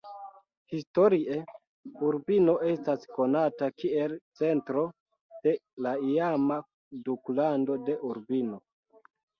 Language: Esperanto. Historie, Urbino estas konata kiel centro de la iama duklando de Urbino.